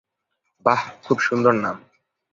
বাহ্, খুব সুন্দর নাম।